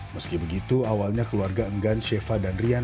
meski begitu awalnya keluarga enggan sheva dan rian